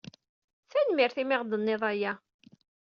Tanemmirt i mi ɣ-d-tenniḍ aya.